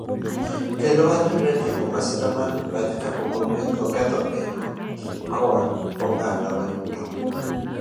kendo wariwre e tieko masira mar mibadhi ka pok oketho pinywa kod ogandawa duto.